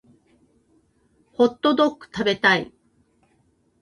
ホットドック食べたい